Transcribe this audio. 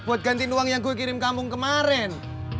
buat gantiin uang yang gue kirim kampung kemarin